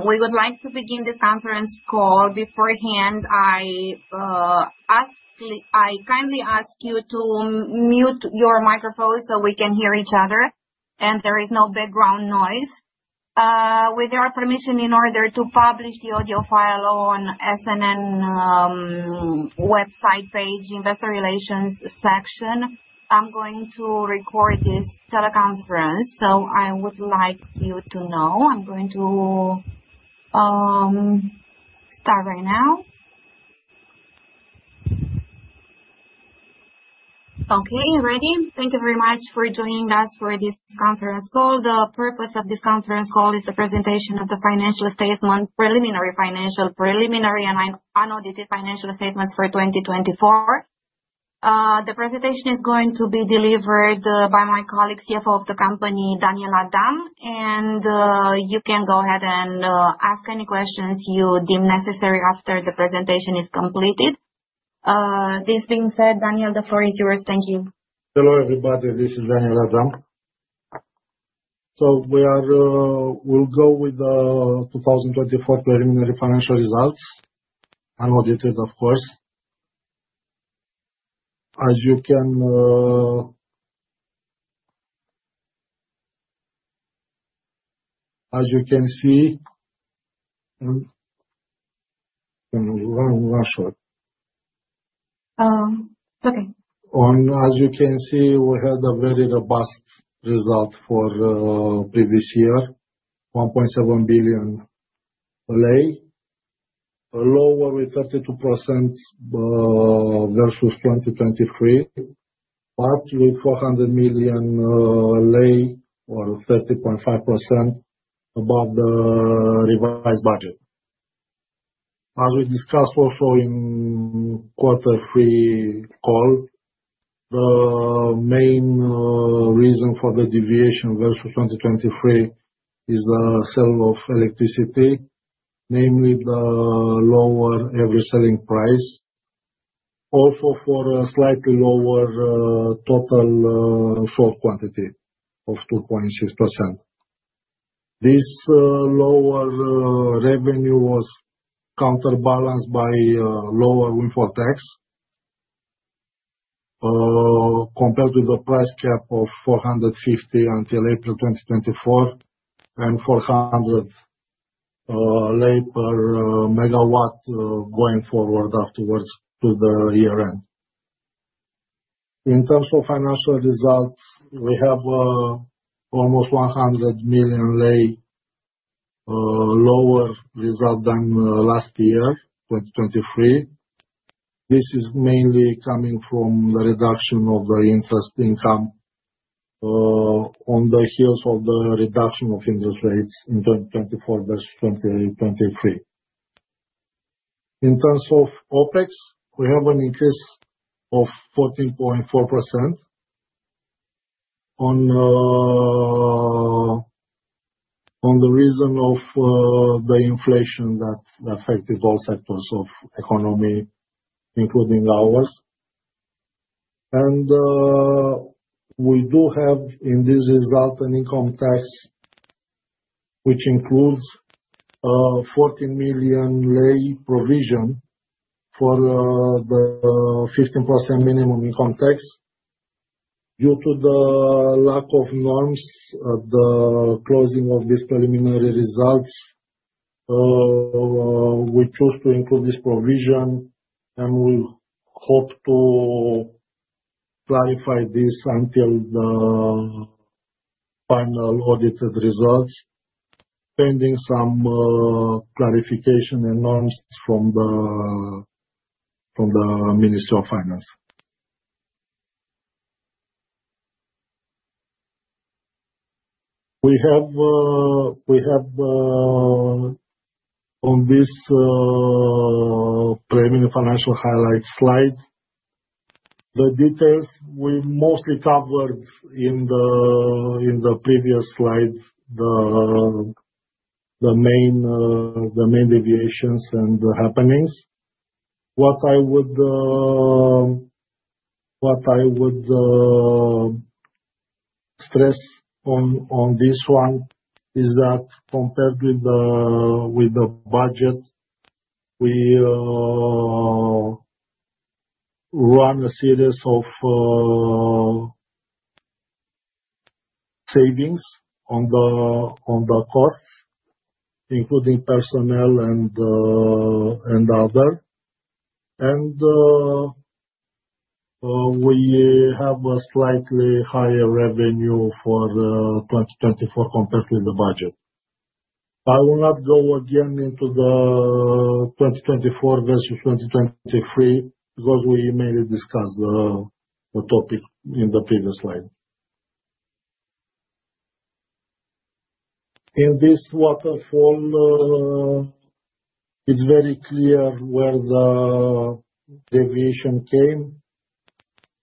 We would like to begin this conference call. Beforehand, I kindly ask you to mute your microphones so we can hear each other and there is no background noise. With your permission, in order to publish the audio file on SNN website page, Investor Relations section, I'm going to record this teleconference. So I would like you to know I'm going to start right now. Okay, ready? Thank you very much for joining us for this conference call. The purpose of this conference call is the presentation of the preliminary financial and unaudited financial statements for 2024. The presentation is going to be delivered by my colleague, CFO of the company, Daniel Adam, and you can go ahead and ask any questions you deem necessary after the presentation is completed. This being said, Daniel, the floor is yours. Thank you. Hello, everybody. This is Daniel Adam, so we'll go with the 2024 preliminary financial results, unaudited, of course. As you can see. Okay. As you can see, we had a very robust result for the previous year, RON 1.7 billion, lower with 32% versus 2023, but with RON 400 million or 30.5% above the revised budget. As we discussed also in quarter three call, the main reason for the deviation versus 2023 is the sale of electricity, namely the lower average selling price, also for a slightly lower total sold quantity of 2.6%. This lower revenue was counterbalanced by lower windfall tax compared with the price cap of 450 until April 2024 and RON 400 per MW going forward afterwards to the year end. In terms of financial results, we have almost RON 100 million lower result than last year, 2023. This is mainly coming from the reduction of the interest income on the heels of the reduction of interest rates in 2024 versus 2023. In terms of OpEx, we have an increase of 14.4% due to the reason of the inflation that affected all sectors of economy, including ours, and we do have in this result an income tax which includes RON 14 million provision for the 15% minimum income tax. Due to the lack of norms at the closing of this preliminary results, we chose to include this provision, and we hope to clarify this until the final audited results, pending some clarification and norms from the Ministry of Finance. We have on this preliminary financial highlights slide the details we mostly covered in the previous slide, the main deviations and the happenings. What I would stress on this one is that compared with the budget, we run a series of savings on the costs, including personnel and other, and we have a slightly higher revenue for 2024 compared with the budget. I will not go again into the 2024 versus 2023 because we mainly discussed the topic in the previous slide. In this waterfall, it's very clear where the deviation came.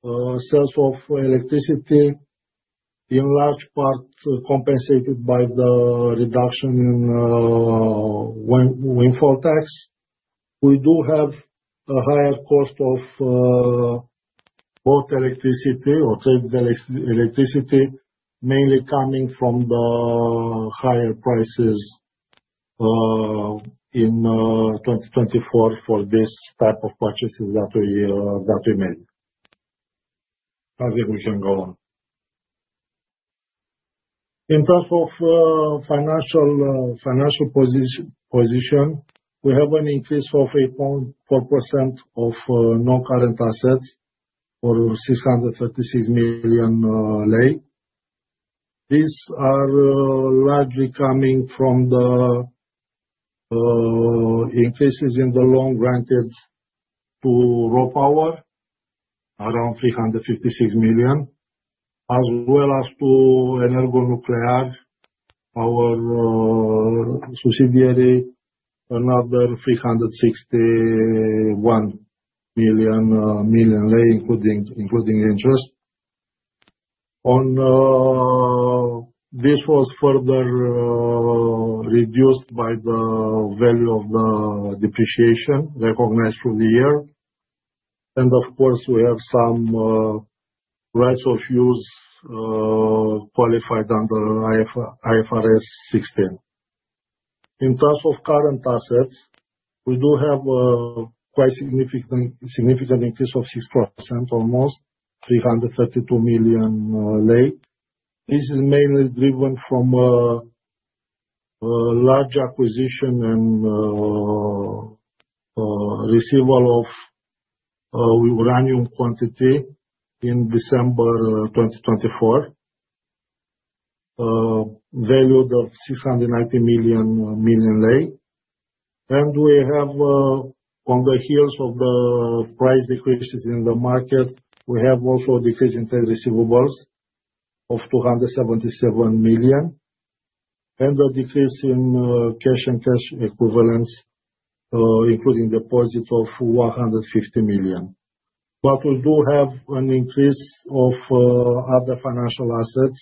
Sales of electricity, in large part compensated by the reduction in windfall tax. We do have a higher cost of both electricity or traded electricity, mainly coming from the higher prices in 2024 for this type of purchases that we made. I think we can go on. In terms of financial position, we have an increase of 8.4% of non-current assets for RON 636 million. These are largely coming from the increases in the loan granted to RoPower, around RON 356 million, as well as to EnergoNuclear, our subsidiary, another RON 361 million, including interest. This was further reduced by the value of the depreciation recognized through the year. And of course, we have some rights of use qualified under IFRS 16. In terms of current assets, we do have a quite significant increase of 6%, almost RON 332 million. This is mainly driven from large acquisition and receipt of uranium quantity in December 2024, valued at RON 690 million. And we have, on the heels of the price decreases in the market, we have also a decrease in trade receivables of RON 277 million, and a decrease in cash and cash equivalents, including deposit of RON 150 million. But we do have an increase of other financial assets,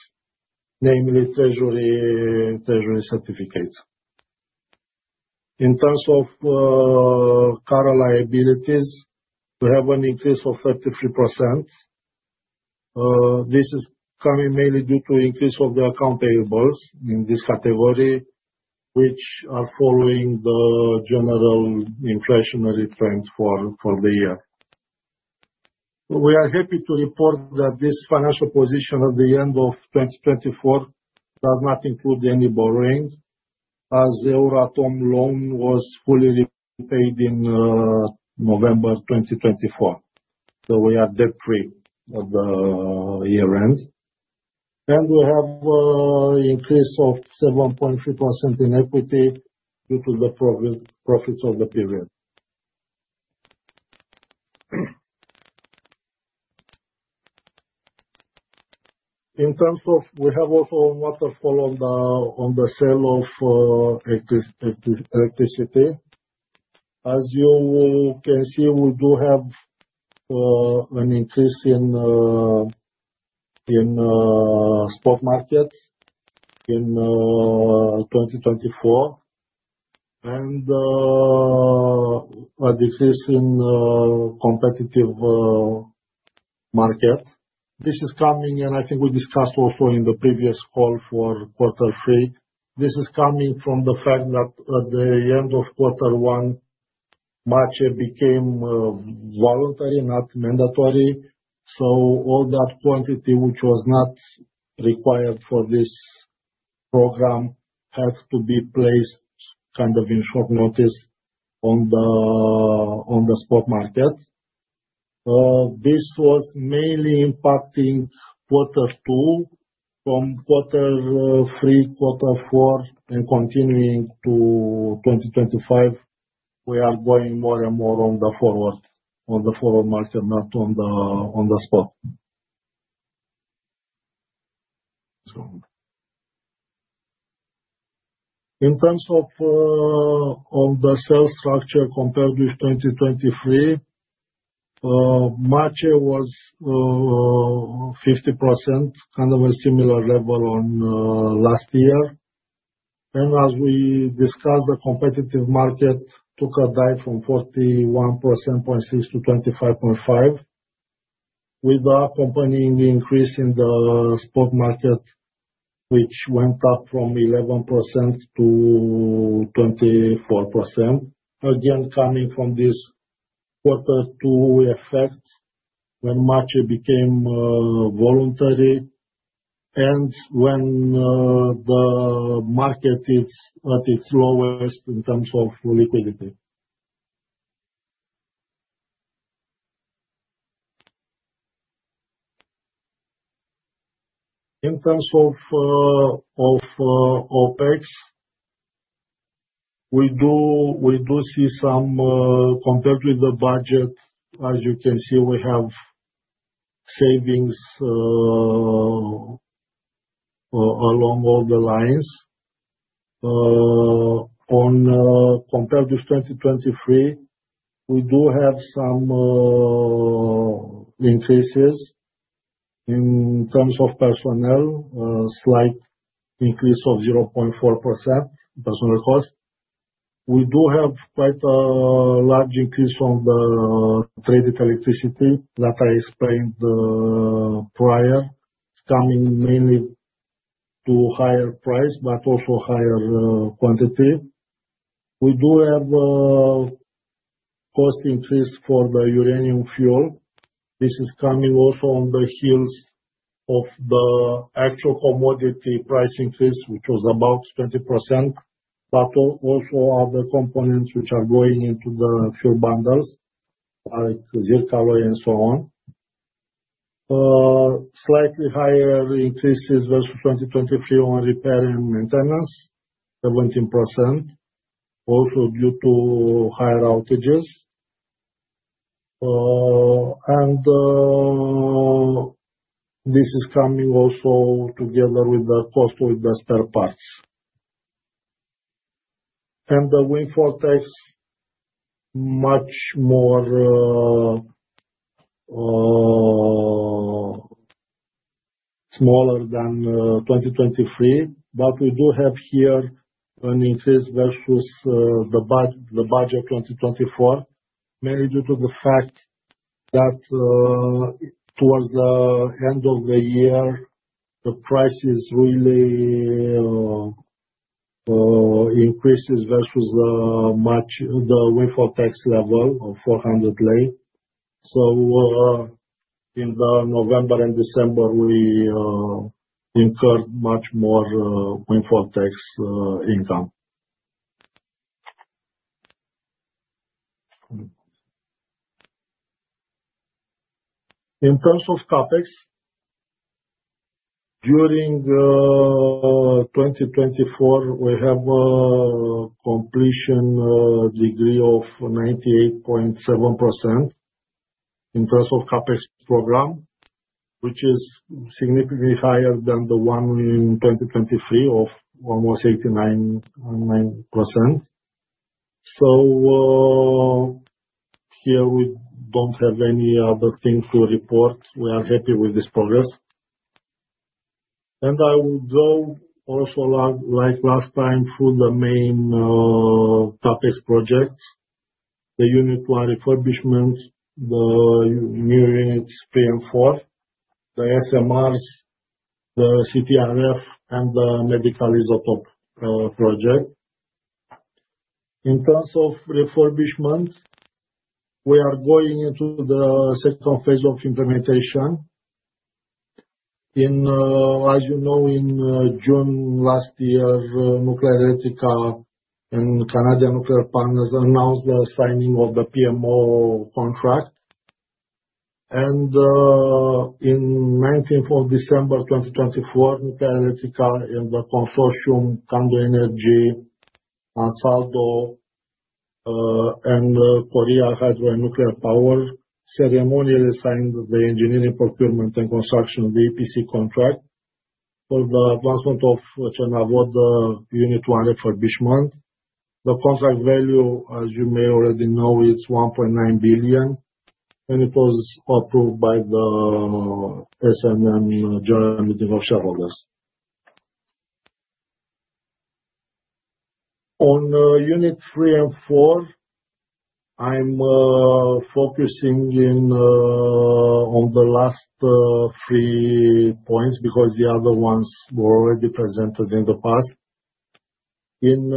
namely treasury certificates. In terms of current liabilities, we have an increase of 33%. This is coming mainly due to the increase of the accounts payable in this category, which are following the general inflationary trend for the year. We are happy to report that this financial position at the end of 2024 does not include any borrowing, as the Euratom loan was fully repaid in November 2024. So we are debt-free at the year end. And we have an increase of 7.3% in equity due to the profits of the period. In terms of, we have also a waterfall on the sale of electricity. As you can see, we do have an increase in spot markets in 2024 and a decrease in competitive market. This is coming, and I think we discussed also in the previous call for quarter three. This is coming from the fact that at the end of quarter one, MACEE became voluntary, not mandatory. So all that quantity, which was not required for this program, had to be placed kind of in short notice on the spot market. This was mainly impacting quarter two from quarter three, quarter four, and continuing to 2025. We are going more and more on the forward, on the forward market, not on the spot. In terms of the sales structure compared with 2023, MACEE was 50%, kind of a similar level on last year. And as we discussed, the competitive market took a dive from 41.6% to 25.5%, with a company, the increase in the spot market, which went up from 11% to 24%, again coming from this quarter two effect when MACEE became voluntary and when the market is at its lowest in terms of liquidity. In terms of OpEx, we do see some, compared with the budget, as you can see, we have savings along all the lines. Compared with 2023, we do have some increases in terms of personnel, a slight increase of 0.4% in personnel cost. We do have quite a large increase on the traded electricity that I explained prior, coming mainly to higher price, but also higher quantity. We do have a cost increase for the uranium fuel. This is coming also on the heels of the actual commodity price increase, which was about 20%, but also other components which are going into the fuel bundles, like Zircaloy and so on. Slightly higher increases versus 2023 on repair and maintenance, 17%, also due to higher outages. This is coming also together with the cost with the spare parts. The windfall tax, much more smaller than 2023. But we do have here an increase versus the budget 2024, mainly due to the fact that towards the end of the year, the prices really increased versus the windfall tax level of RON 400. So in November and December, we incurred much more windfall tax income. In terms of CapEx, during 2024, we have a completion degree of 98.7% in terms of CapEx program, which is significantly higher than the one in 2023 of almost 89%. So here, we don't have any other thing to report. We are happy with this progress. And I will go also, like last time, through the main CapEx projects: the Unit 1 refurbishment, the new Units 3 and 4, the SMRs, the CTRF, and the medical isotope project. In terms of refurbishment, we are going into the second phase of implementation. As you know, in June last year, Nuclearelectrica and Canadian Nuclear Partners announced the signing of the PMO contract. In December 2024, Nuclearelectrica and the consortium, Candu Energy, Ansaldo Nucleare, and Korea Hydro & Nuclear Power ceremonially signed the engineering procurement and construction EPC contract for the advancement of Cernavodă Unit 1 refurbishment. The contract value, as you may already know, is 1.9 billion, and it was approved by the SNN General Meeting of Shareholders. On Units 3 and 4, I am focusing on the last three points because the other ones were already presented in the past. In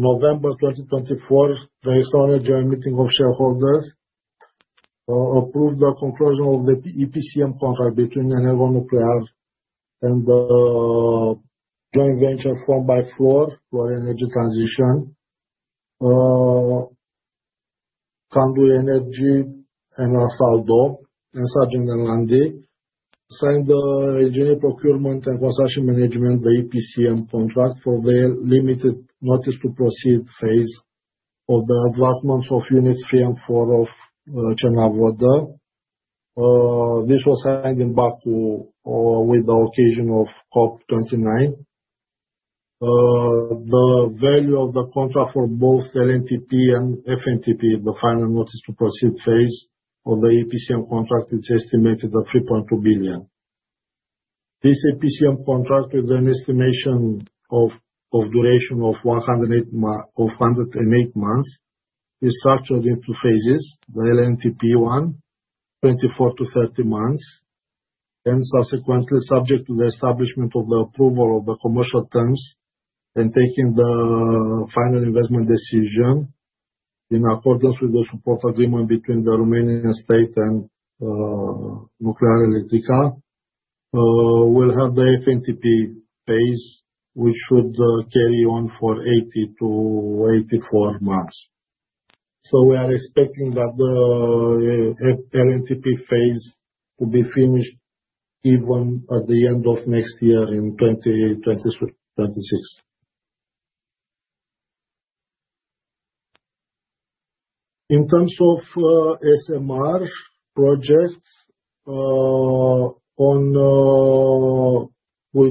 November 2024, the extraordinary general meeting of shareholders approved the conclusion of the EPCM contract between EnergoNuclear and the joint venture formed by Fluor Corporation, Candu Energy, Ansaldo Nucleare, and Sargent & Lundy, which signed the engineering procurement and construction management EPCM contract for the limited notice to proceed phase of the advancement of Units 3 and 4 of Cernavodă. This was signed in Baku with the occasion of COP29. The value of the contract for both LNTP and FNTP, the final notice to proceed phase of the EPCM contract, is estimated at EUR 3.2 billion. This EPCM contract, with an estimation of duration of 108 months, is structured into phases: the LNTP one, 24-30 months, and subsequently subject to the establishment of the approval of the commercial terms and taking the final investment decision in accordance with the support agreement between the Romanian state and Nuclearelectrica. We'll have the FNTP phase, which should carry on for 80-84 months. So we are expecting that the LNTP phase to be finished even at the end of next year in 2026. In terms of SMR projects, we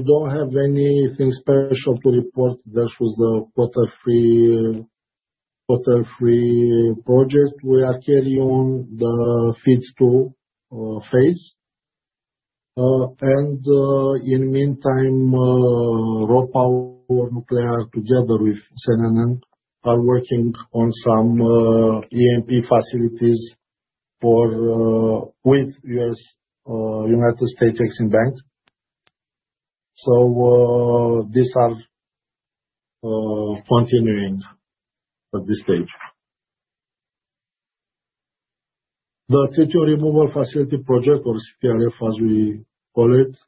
don't have anything special to report versus the quarter three project. We are carrying on the phase two. In the meantime, RoPower Nuclear, together with SNN, are working on some SMR facilities with the Export-Import Bank of the United States. So these are continuing at this stage. The tritium removal facility project, or CTRF, as we call it,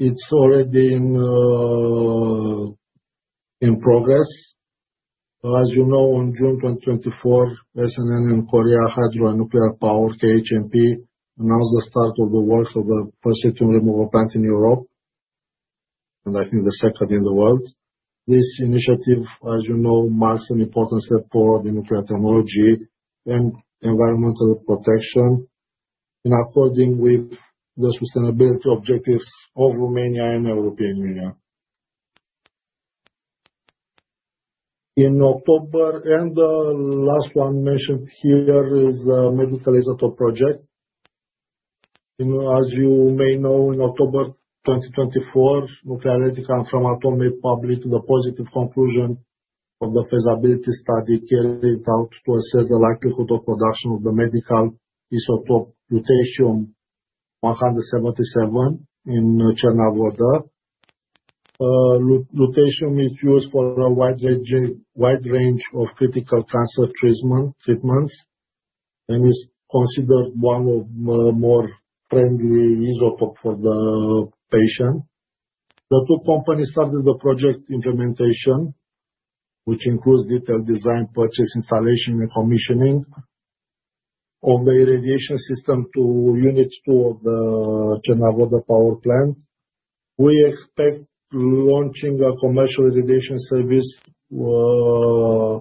is already in progress. As you know, in June 2024, SNN and Korea Hydro & Nuclear Power, KHNP, announced the start of the works of the first tritium removal plant in Europe, and I think the second in the world. This initiative, as you know, marks an important step forward in nuclear technology and environmental protection in accordance with the sustainability objectives of Romania and the European Union. In October, and the last one mentioned here is the medical isotope project. As you may know, in October 2024, Nuclearelectrica and Framatome made public the positive conclusion of the feasibility study carried out to assess the likelihood of production of the medical isotope Lutetium-177 in Cernavodă. Lutetium is used for a wide range of critical cancer treatments and is considered one of the more friendly isotopes for the patient. The two companies started the project implementation, which includes detailed design, purchase, installation, and commissioning of the irradiation system to Unit 2 of the Cernavodă power plant. We expect launching a commercial irradiation service somewhere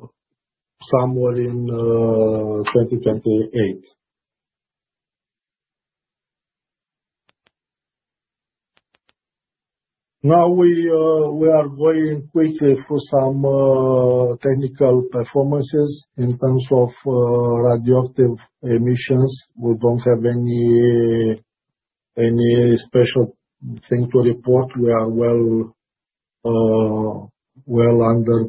in 2028. Now, we are going quickly through some technical performances in terms of radioactive emissions. We don't have any special thing to report. We are well under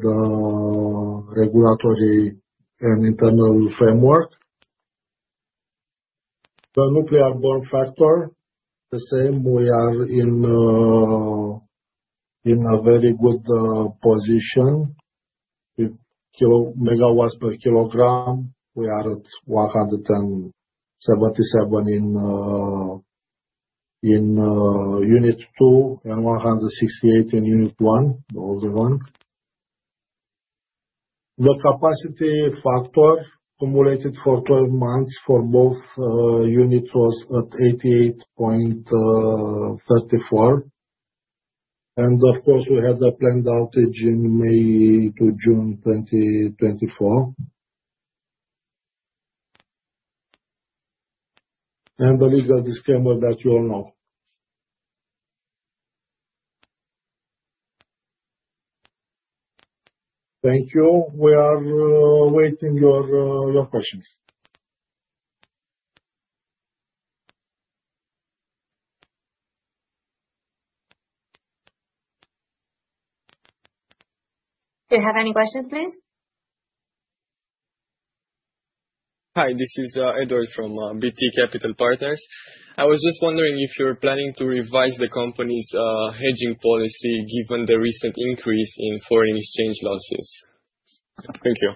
the regulatory and internal framework. The nuclear burn factor, the same. We are in a very good position. MWs per kg, we are at 177 in Unit 2 and 168 in Unit 1, the older one. The capacity factor cumulated for 12 months for both Units was at 88.34%. And of course, we had the planned outage in May to June 2024, and the legal disclaimer that you all know. Thank you. We are awaiting your questions. Do you have any questions, please? Hi, this is Edward from BT Capital Partners. I was just wondering if you're planning to revise the company's hedging policy given the recent increase in foreign exchange losses. Thank you.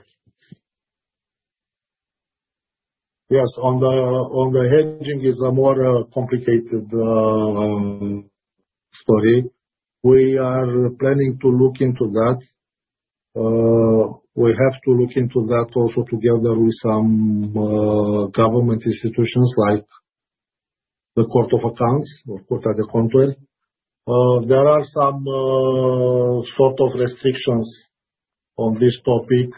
Yes. On the hedging, it's a more complicated story. We are planning to look into that. We have to look into that also together with some government institutions like the Court of Accounts or Court of Audit. There are some sort of restrictions on this topic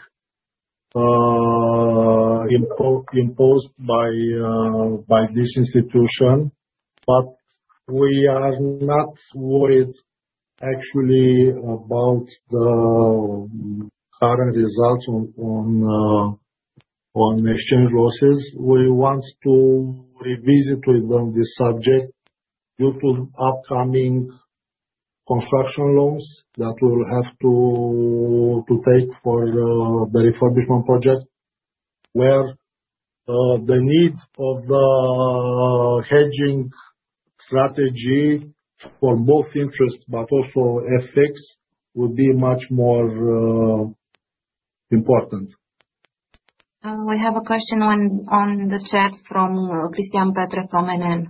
imposed by this institution, but we are not worried actually about the current results on exchange losses. We want to revisit with them this subject due to upcoming construction loans that we'll have to take for the refurbishment project, where the need of the hedging strategy for both interests but also FX would be much more important. We have a question on the chat from Cristian Petre from NN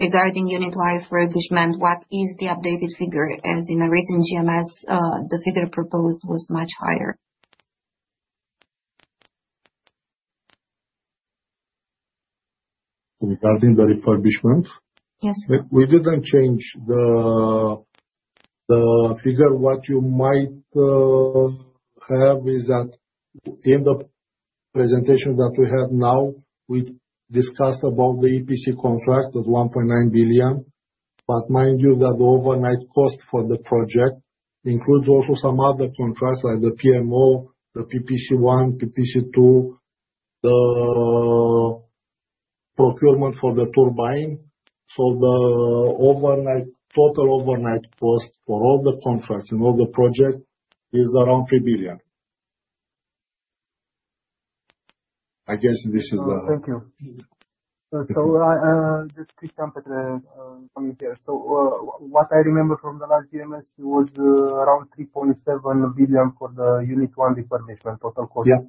regarding Unit 1 refurbishment. What is the updated figure? As in the recent GMS, the figure proposed was much higher. Regarding the refurbishment? Yes. We didn't change the figure. What you might have is that in the presentation that we have now, we discussed about the EPC contract at 1.9 billion. But mind you that the overnight cost for the project includes also some other contracts like the PMO, the PPC1, PPC2, the procurement for the turbine. So the total overnight cost for all the contracts in all the projects is around EUR 3 billion. I guess this is the. Thank you. So just Cristian Petre coming here. So what I remember from the last GMS was around 3.7 billion for the Unit 1 refurbishment total cost. Yeah.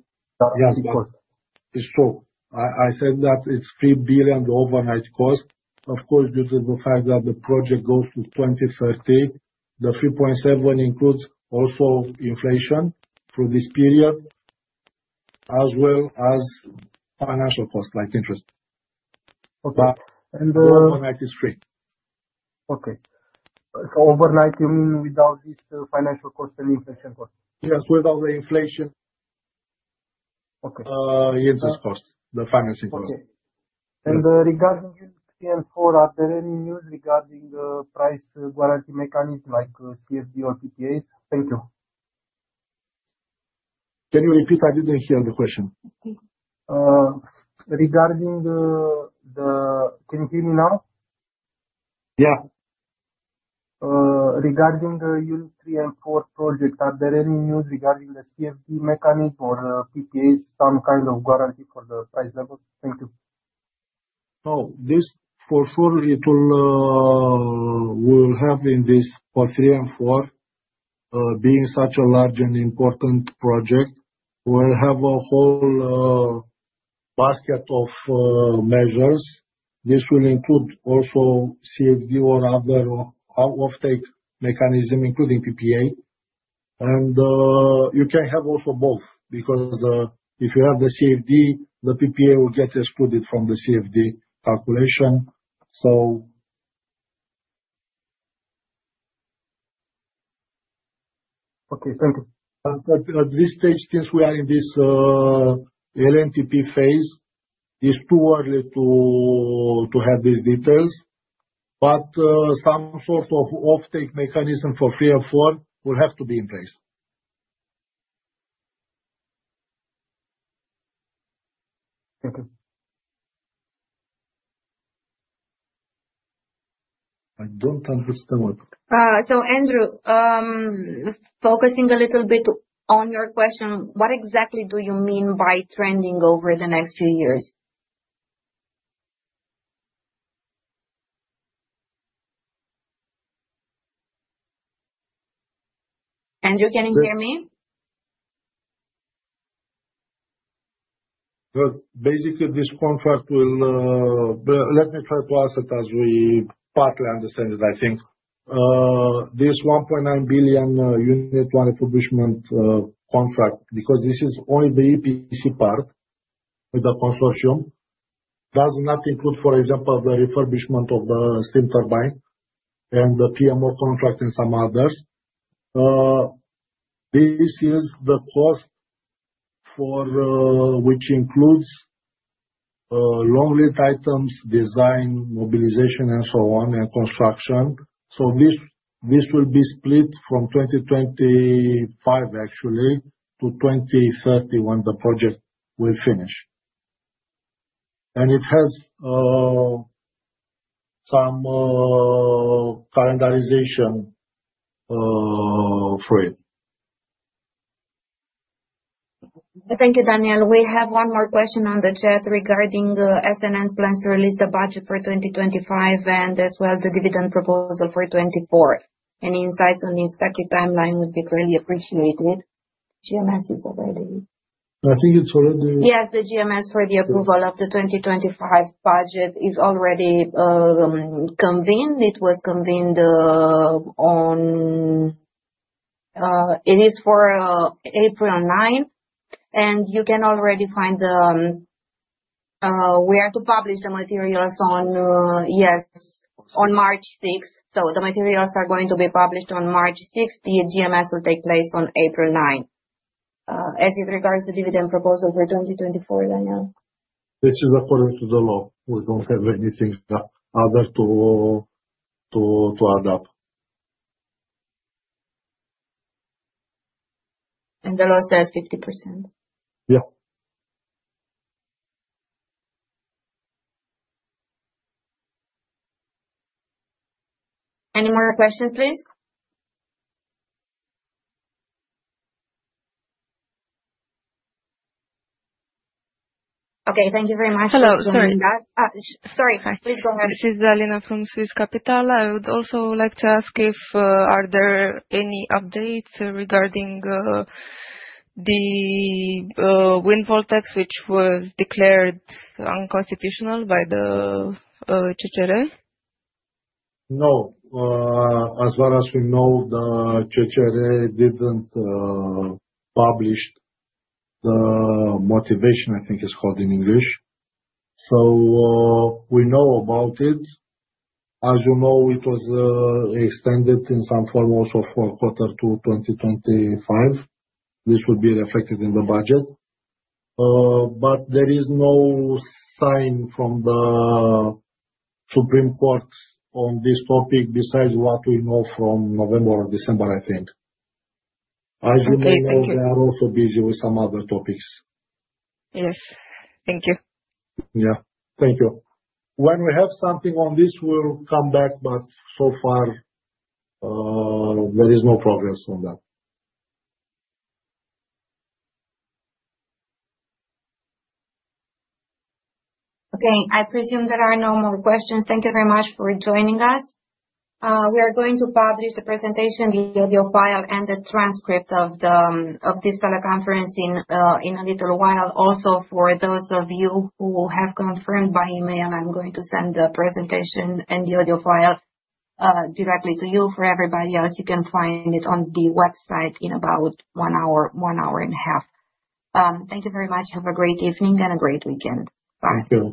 So I said that it's EUR 3 billion the overnight cost. Of course, due to the fact that the project goes to 2030, the 3.7 includes also inflation for this period, as well as financial costs like interest. And the overnight is free. Okay. So overnight, you mean without this financial cost and inflation cost? Yes. Without the inflation. Interest cost, the financing cost. Okay. Regarding Unit 3 and 4, are there any news regarding the price guarantee mechanism like CFD or PPAs? Thank you. Can you repeat? I didn't hear the question. Regarding the, can you hear me now? Yeah. Regarding the Unit 3 and 4 project, are there any news regarding the CFD mechanism or PPAs, some kind of guarantee for the price levels? Thank you. No. This for sure, it will have. In Units 3 and 4, being such a large and important project, we'll have a whole basket of measures. This will include also CFD or other offtake mechanism, including PPA. And you can have also both because if you have the CFD, the PPA will get excluded from the CFD calculation. So. Okay. Thank you. At this stage, since we are in this LNTP phase, it's too early to have these details. But some sort of offtake mechanism for 3 and 4 will have to be in place. I don't understand what. So, Andrew, focusing a little bit on your question, what exactly do you mean by trending over the next few years? Andrew, can you hear me? Basically, this contract will let me try to ask it as we partly understand it, I think. This 1.9 billion unit one refurbishment contract, because this is only the EPC part with the consortium, does not include, for example, the refurbishment of the steam turbine and the PMO contract and some others. This is the cost for which includes long-lived items, design, mobilization, and so on, and construction. So this will be split from 2025, actually, to 2030 when the project will finish. And it has some calendarization fee. Thank you, Daniel. We have one more question on the chat regarding SNN's plans to release the budget for 2025 and as well the dividend proposal for 2024. Any insights on the expected timeline would be greatly appreciated. Yes, the GMS for the approval of the 2025 budget is already convened. It was convened. It is for April 9th. And you can already find the we are to publish the materials on, yes, on March 6th. So the materials are going to be published on March 6th. The GMS will take place on April 9th. As it regards the dividend proposal for 2024, Daniel? It is according to the law. We don't have anything other to add up. And the law says 50%. Yeah. Any more questions, please? Okay. Thank you very much. Hello. Sorry. Please go ahead. This is Alina from Swiss Capital. I would also like to ask if there are any updates regarding the windfall tax which was declared unconstitutional by the Constitutional Court of Romania? No. As far as we know, the Constitutional Court of Romania didn't publish the motivation, I think it's called in English. So we know about it. As you know, it was extended in some form also for quarter to 2025. This will be reflected in the budget. But there is no sign from the Supreme Court on this topic besides what we know from November or December, I think. As you may know, they are also busy with some other topics. Yes. Thank you. Yeah. Thank you. When we have something on this, we'll come back. But so far, there is no progress on that. Okay. I presume there are no more questions. Thank you very much for joining us. We are going to publish the presentation, the audio file, and the transcript of this teleconference in a little while. Also, for those of you who have confirmed by email, I'm going to send the presentation and the audio file directly to you. For everybody else, you can find it on the website in about one hour, one hour and a half. Thank you very much. Have a great evening and a great weekend. Bye. Thank you.